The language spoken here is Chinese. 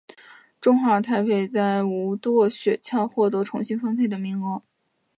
中华台北在无舵雪橇获得重新分配的名额。